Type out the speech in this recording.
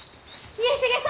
家重様。